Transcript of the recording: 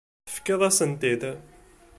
Tefkiḍ-asent-t-id.